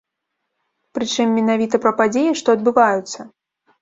Прычым, менавіта пра падзеі, што адбываюцца.